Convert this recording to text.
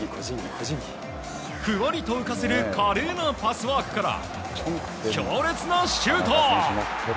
ふわりと浮かせる華麗なパスワークから強烈なシュート！